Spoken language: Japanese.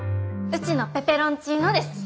うちのペペロンチーノです。